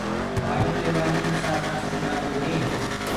ڀاڙو ليوآݪو مساڦرانٚ ڪو بلانٚدو هي